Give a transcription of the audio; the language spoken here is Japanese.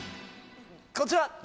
こちら！